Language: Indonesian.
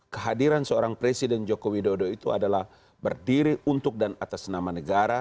kehadiran seorang presiden joko widodo itu adalah berdiri untuk dan atas nama negara